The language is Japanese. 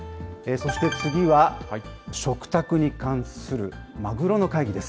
そして、次は食卓に関するマグロの会議です。